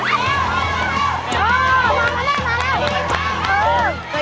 ชอบแล้วแดงมาแล้ว